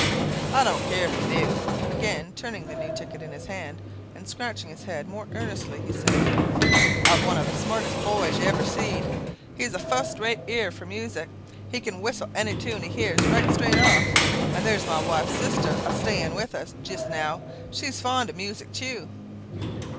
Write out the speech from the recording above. "I don't care if you dew," again turning the new ticket in his hand; and, scratching his head more earnestly, he said, "I've one of the smartest boys you ever seed; he's a fust rate ear for music; he can whistle any tune he hears right straight off. Then there's my wife's sister a staying with us jist now; she's very fond of music tew."